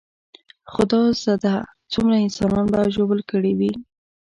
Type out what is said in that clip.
خدا زده څومره انسانان به ژوبل کړي وي.